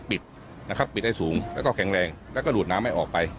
ปิดให้สูงแล้วก็แข็งแรงแล้วก็ดูดน้ำให้ออกไป